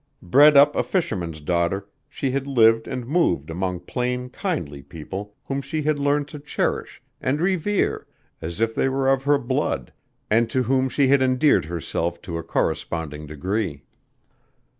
Bred up a fisherman's daughter she had lived and moved among plain, kindly people, whom she had learned to cherish and revere as if they were of her blood, and to whom she had endeared herself to a corresponding degree.